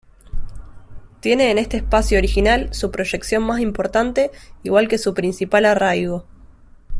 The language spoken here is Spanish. Tiene en este espacio original su proyección más importante igual que su principal arraigo.